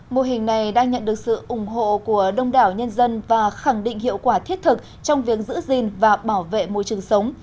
mô hình này đang nhận được sự ủng hộ của đông đảo nhân dân và khẳng định hiệu quả thiết thực trong việc giữ gìn và bảo vệ môi trường sống